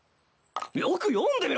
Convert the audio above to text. よく読んでみろ。